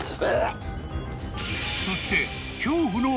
［そして］